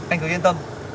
anh cứ yên tâm